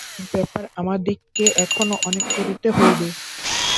এইরূপ ব্যাপার আমাদিগকে এখনও অনেক করিতে হইবে।